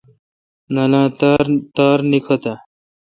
نننالاں تار نیکتہ۔؟